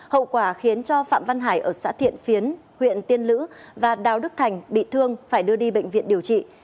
hậu quả khiến cho phạm văn hải ở xã thiện phiến huyện tiên lữ và đào đức thành bị thương phải đưa đi bệnh viện điều trị